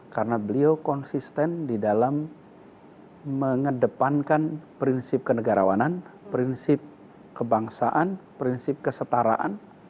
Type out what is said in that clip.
karena beliau konsisten di dalam mengedepankan prinsip kenegarawanan prinsip kebangsaan prinsip kesetaraan